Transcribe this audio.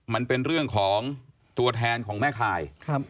มันเป็นเรื่องของตัวแทนของแม่คาย